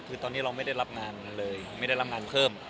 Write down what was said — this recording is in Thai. คือตอนนี้เราไม่ได้รับงานเลยไม่ได้รับงานเพิ่ม